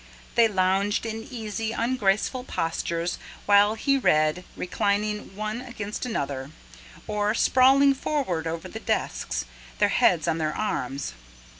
They lounged in easy, ungraceful postures while he read, reclining one against another, or sprawling forward over the desks, their heads on their arms.